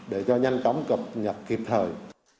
để cho nhanh chóng cập nhật kịp thời